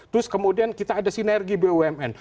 terus kemudian kita ada sinergi bumn